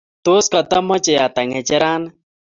tos katamachei ata ngecherani